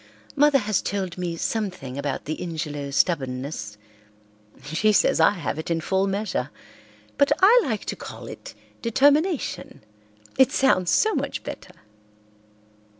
"Mother has told me something about the Ingelow stubbornness. She says I have it in full measure, but I like to call it determination, it sounds so much better.